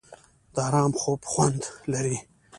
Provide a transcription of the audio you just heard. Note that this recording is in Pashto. د ارام خوب خوند لري.